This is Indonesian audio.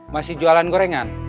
masih jualan gorengan